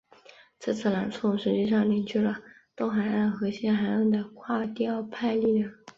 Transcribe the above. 这次朗诵实际上凝聚了东海岸和西海岸的垮掉派力量。